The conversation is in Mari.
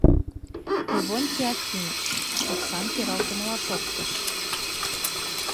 Левонтий Акимыч, омсам пералтымыла шоктыш.